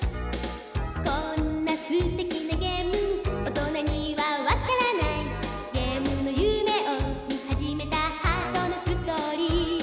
「こんなすてきなゲーム大人にはわからない」「ゲームの夢をみはじめたハートのストーリー」